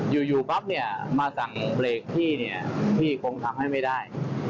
อยู่ปั๊บเนี่ยมาสั่งเบรกพี่เนี่ยพี่คงทำให้ไม่ได้